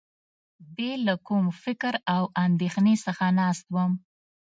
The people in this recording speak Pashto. بې له کوم فکر او اندېښنې څخه ناست وم.